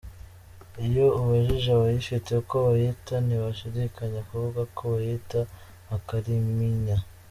Iyo ubajije abayifite uko bayita ntibashidikanya kuvuga ko bayita “Akalimpinya”.